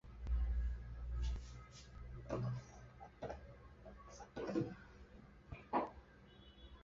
布斯贝港有两人在风暴期间搭乘小艇外出后失踪。